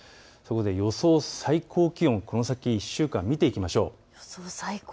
そこで予想最高気温、この先１週間、見ていきましょう。